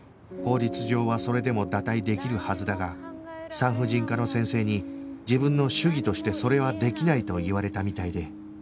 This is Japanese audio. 法律上はそれでも堕胎できるはずだが産婦人科の先生に自分の主義としてそれはできないと言われたみたいで